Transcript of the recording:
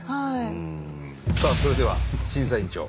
さあそれでは審査員長。